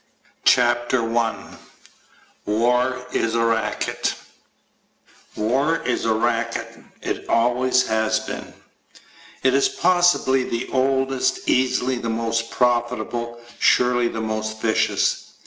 CHAPTER ONE War Is A Racket WAR is a racket. It always has been. It is possibly the oldest, easily the most profitable, surely the most vicious.